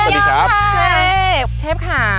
สวัสดีครับ